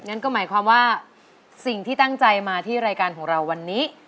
งั้นก็หมายความว่าสิ่งที่ตั้งใจมาที่รายการของเราวันนี้